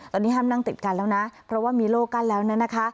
ตอนนี้ห้ามนั่งติดกันแล้วนะเพราะว่ามีโล่กั้นแล้วนะคะ